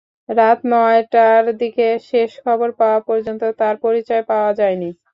রাত নয়টার দিকে শেষ খবর পাওয়া পর্যন্ত তাঁর পরিচয় পাওয়া যায়নি।